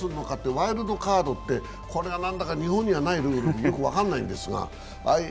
ワイルドカードってこれは何だか日本にはないルールで分からないんですが。